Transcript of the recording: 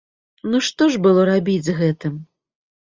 Ну што ж было рабіць з гэтым?